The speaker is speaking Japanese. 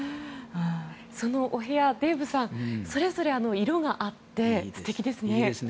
そのお部屋デーブさん、それぞれ色があって素敵ですね。